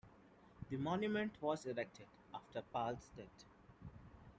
The monument was erected after Pal's death.